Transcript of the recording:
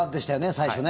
最初ね。